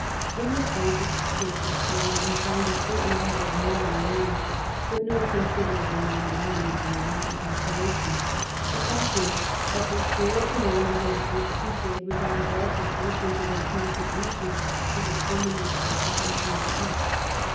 In the Frankish states of Syria we find a certain number of Norman names but no considerable Norman element in the Latin population. The fact is that the share of the Normans in the First Crusade was out of all pro portion to their contribution to the permanent occupa 2i6 NORMANS IN EUROPEAN HISTORY tion of the East.